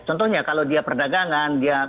contohnya kalau dia perdagangan